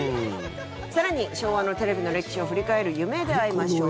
更に昭和のテレビの歴史を振り返る「夢であいましょう」